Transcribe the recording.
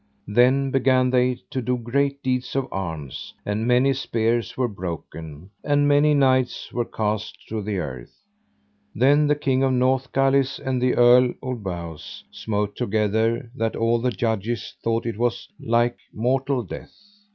Then began they to do great deeds of arms, and many spears were broken, and many knights were cast to the earth. Then the King of Northgalis and the Earl Ulbawes smote together that all the judges thought it was like mortal death.